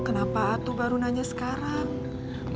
kenapa aku baru nanya sekarang